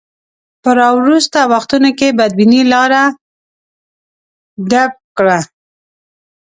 په راوروسته وختونو کې بدبینۍ لاره ډب کړه.